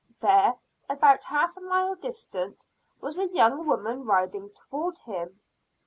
There, about half a mile distant, was a young woman riding toward him.